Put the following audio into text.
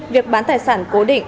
việc bán tài sản cố định